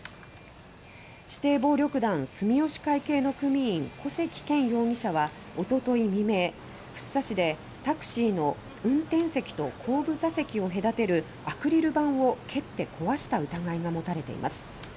指定暴力団・住吉会系の組員・古関健容疑者はおととい未明、福生市でタクシーの運転席と後部座席を隔てるアクリル板を蹴って壊した疑いが持たれています。